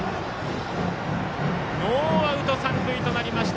ノーアウト、三塁となりました。